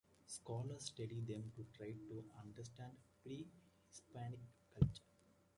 Scholars study them to try to understand pre-Hispanic culture.